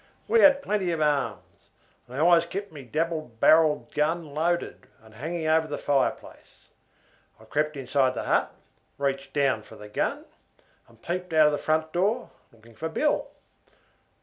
We had plenty of arms, and I always kept my double barrelled gun loaded, and hanging over the fireplace. I crept inside the hut, reached down for the gun, and peeped out of the front door, looking for Bill.